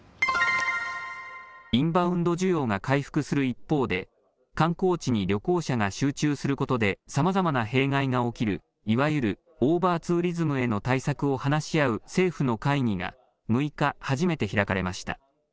インバウンド需要が回復する一方で観光地に旅行者が集中することでさまざまな弊害が起きるいわゆるオーバーツーリズムへの対策を話し合う政府の会議が６日、初めて開かれました。